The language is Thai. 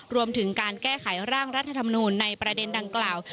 รวมถึงการแก้ไขร่างรัฐธรรมนูลในประเด็นดังกล่าว